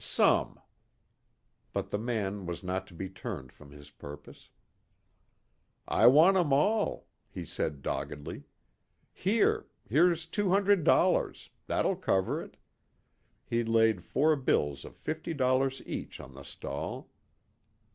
Some." But the man was not to be turned from his purpose. "I want 'em all," he said doggedly. "Here. Here's two hundred dollars. That'll cover it." He laid four bills of fifty dollars each on the stall.